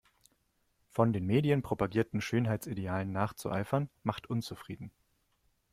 Von den Medien propagierten Schönheitsidealen nachzueifern macht unzufrieden.